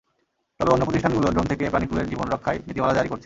তবে অন্য প্রতিষ্ঠানগুলো ড্রোন থেকে প্রাণিকুলের জীবন রক্ষায় নীতিমালা জারি করছে।